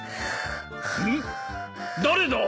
誰だ！